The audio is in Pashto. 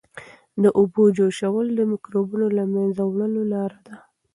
د اوبو جوشول د مکروبونو د له منځه وړلو لاره ده.